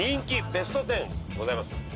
ベスト１０ございます。